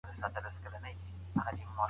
د حدودو پلي کول د جرمونو د کموالي سبب کيږي.